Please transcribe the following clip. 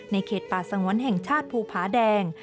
เขตป่าสงวนแห่งชาติภูผาแดง